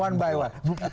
satu demi satu